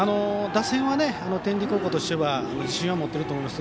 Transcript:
打線は天理高校としては自信を持っていると思います。